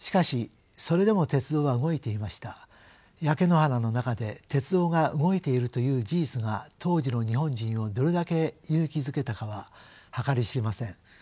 焼け野原の中で鉄道が動いているという事実が当時の日本人をどれだけ勇気づけたかは計り知れません。